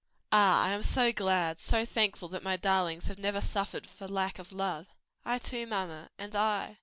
Ah, I am so glad, so thankful that my darlings have never suffered for lack of love." "I too, mamma." "And I."